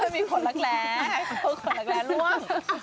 มีคนรักแร้คนรักแร้ร่วง